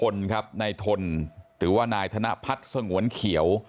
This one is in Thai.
นายถนถือว่านายทนพัฒน์สงวัญเขียว